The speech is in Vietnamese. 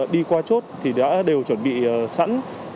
đi qua chốt thì đã đều chuẩn bị sẵn